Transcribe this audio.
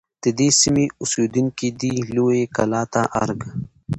د دې سیمې اوسیدونکي دی لویې کلا ته ارگ